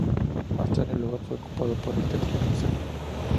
Más tarde el lugar fue ocupado por el teatro de Marcelo.